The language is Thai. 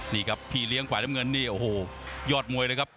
นี่ครับพี่เลี้ยงฝ่ายน้ำเงินนี่โอ้โหยอดมวยเลยครับ